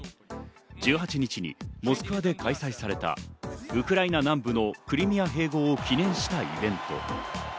１８日にモスクワで開催された、ウクライナ南部のクリミア併合を記念したイベント。